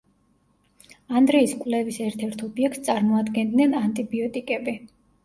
ანდრეის კვლევის ერთ-ერთ ობიექტს წარმოადგენდნენ ანტიბიოტიკები.